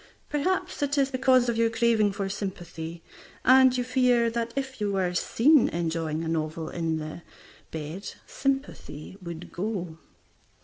Perhaps, it is because of your craving for sympathy, and you fear that if you were seen enjoying a novel the sympathy would go.